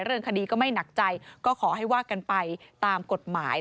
เรื่องคดีก็ไม่หนักใจก็ขอให้ว่ากันไปตามกฎหมาย